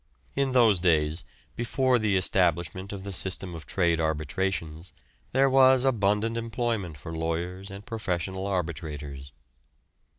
In those days, before the establishment of the system of trade arbitrations, there was abundant employment for lawyers and professional arbitrators.